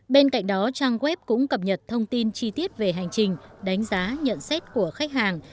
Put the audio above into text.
bên cạnh đó trang web cũng cập nhật thông tin chi tiết về hành trình đánh giá nhận xét của khách hàng